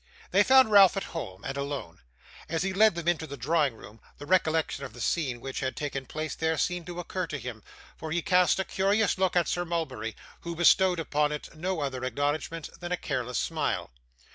They found Ralph at home, and alone. As he led them into the drawing room, the recollection of the scene which had taken place there seemed to occur to him, for he cast a curious look at Sir Mulberry, who bestowed upon it no other acknowledgment than a careless smile.